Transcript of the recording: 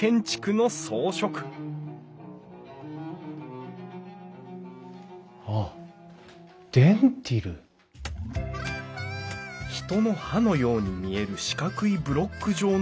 人の歯のように見える四角いブロック状の模様のこと。